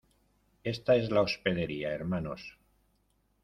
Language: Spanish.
esta es la hospedería, hermanos.